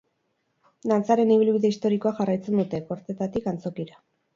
Dantzaren ibilbide historikoa jarraitzen dute, kortetatik antzokira.